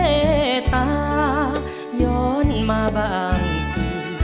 เจ้ตาย้อนมาบ้างสิ